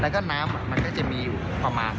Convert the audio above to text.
แล้วก็น้ำมันก็จะมีอยู่ประมาณ